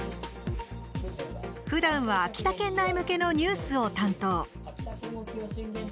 ふだんは秋田県内向けのニュースを担当。